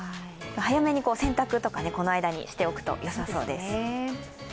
早めに洗濯とか、この間にしておくとよさそうです。